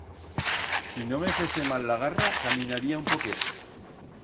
Si no me fese mal la garra, caminaría un poquet.